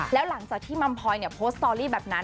แล้วหลังจากที่มัมพลอยโพสต์สตอรี่แบบนั้น